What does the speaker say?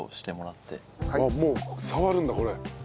もう触るんだこれ。